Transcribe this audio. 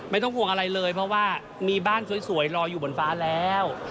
ไม่ต้องห่วงอะไรเลยเพราะว่ามีบ้านสวยรออยู่บนฟ้าแล้ว